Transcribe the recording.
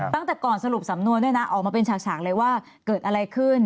ตั้งแต่ก่อนสรุปสำนวนด้วยนะออกมาเป็นฉากเลยว่าเกิดอะไรขึ้น